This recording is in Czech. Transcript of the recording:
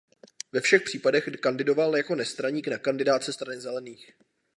Ve všech případech kandidoval jako nestraník na kandidátce Strany zelených.